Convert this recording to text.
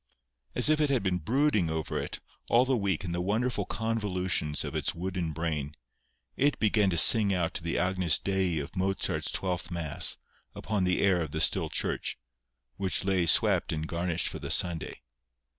As if it had been brooding over it all the week in the wonderful convolutions of its wooden brain, it began to sigh out the Agnus Dei of Mozart's twelfth mass upon the air of the still church, which lay swept and garnished for the Sunday.